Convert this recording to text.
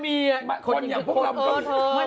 นิกัก